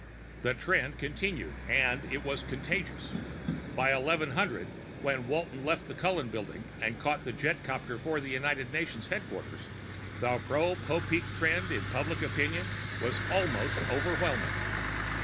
The trend continued, and it was contagious. By 1100, when Walton left the Cullen Building and caught a jetcopter for United Nations Headquarters, the pro Popeek trend in public opinion was almost overwhelming.